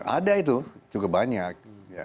ada itu cukup banyak